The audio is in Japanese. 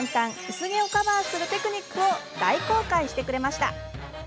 薄毛をカバーするテクニックを大公開してくれました。